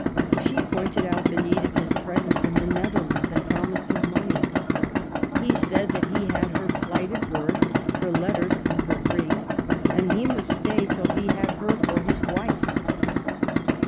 She pointed out the need of his presence in the Netherlands and promised him money ; he said that he had her plighted word, her letters, and her ring, and he must stay till he had her for his wife.